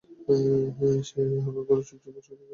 সে খাবার ঘরে চুপচাপ বসে অপেক্ষা করবে জাকারিয়ার জন্যে।